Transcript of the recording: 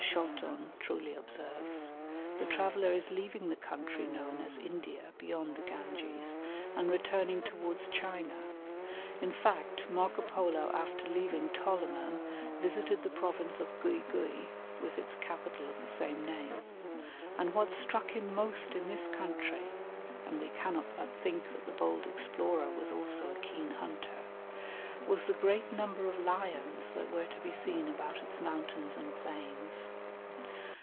Charton truly observes, the traveller is leaving the country known as India beyond the Ganges, and returning towards China. In fact, Marco Polo after leaving Toloman visited the province of Guigui with its capital of the same name, and what struck him most in this country, (and we cannot but think that the bold explorer was also a keen hunter) was the great number of lions that were to be seen about its mountains and plains.